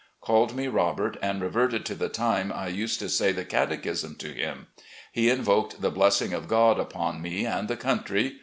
Called me Robert and reverted to the time I used to say the catechism to him. He invoked the blessing of God upon me and the country.